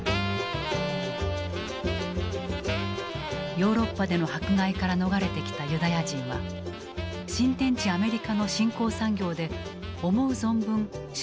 ヨーロッパでの迫害から逃れてきたユダヤ人は新天地アメリカの新興産業で思う存分商才を発揮した。